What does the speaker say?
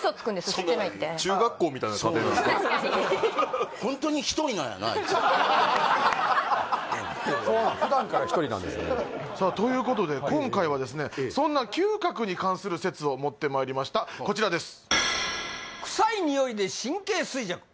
「吸ってない」って確かにあいつそう普段から「ひとり」なんですねさあということで今回はですねそんな嗅覚に関する説を持ってまいりましたこちらです